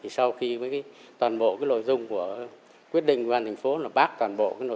sau khi toàn bộ nội dung của quyết định của ủy ban thành phố bác toàn bộ